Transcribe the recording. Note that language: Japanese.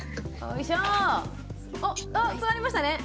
おっ座れましたね。